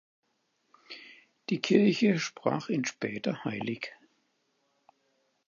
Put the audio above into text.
Die Kirche sprach ihn später heilig.